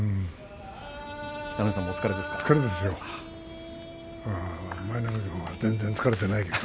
北の富士さんもお疲れですか？